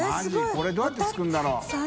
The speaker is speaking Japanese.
これどうやって作るんだろう？